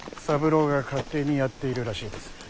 三郎が勝手にやっているらしいです。